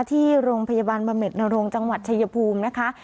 ที่โรงพยาบาลบำเน็ตนรงจังหวัดชายภูมินะคะ